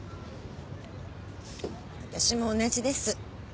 私も同じです。